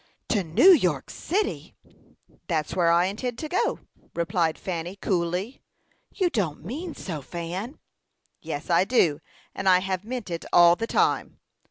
"To New York city!" "That's where I intend to go," replied Fanny, coolly. "You don't mean so, Fan?" "Yes, I do; and I have meant it all the time."